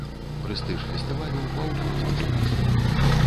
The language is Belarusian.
Прэстыж фестывалю ўпаў проста страшна.